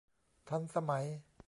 ทันสมัย